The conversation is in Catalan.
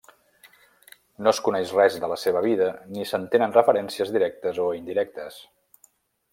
No es coneix res de la seva vida ni se'n tenen referències directes o indirectes.